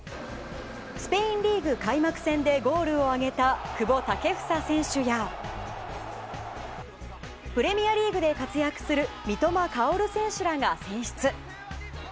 スペインリーグ開幕戦でゴールを挙げた久保建英選手やプレミアリーグで活躍する三笘薫選手らが選出。